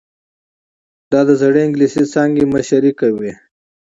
دا د زړې انګلیسي څانګې مشري کوي.